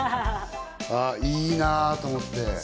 いいなと思って。